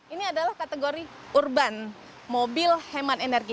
ini adalah kategori urban mobil hemat energi